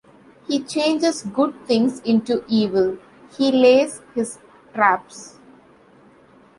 He changes good things into evil, he lays his traps.